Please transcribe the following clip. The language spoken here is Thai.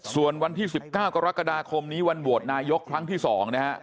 ส่วนวันที่๑๙กรกฎาคมนี้วันโหวตนายกครั้งที่๒นะฮะ